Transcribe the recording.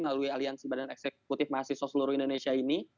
melalui aliansi badan eksekutif mahasiswa seluruh indonesia ini